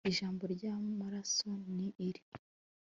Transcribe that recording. ijambo ryamaraso ni iri